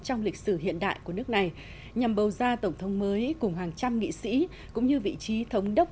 trong lịch sử hiện đại của nước này nhằm bầu ra tổng thống mới cùng hàng trăm nghị sĩ cũng như vị trí thống đốc